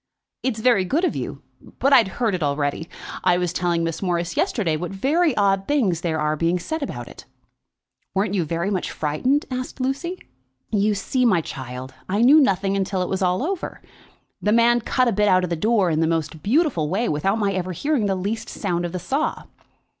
"It's very good of you, but I'd heard it already. I was telling Miss Morris yesterday what very odd things there are being said about it." "Weren't you very much frightened?" asked Lucy. "You see, my child, I knew nothing about it till it was all over. The man cut the bit out of the door in the most beautiful way, without my ever hearing the least sound of the saw."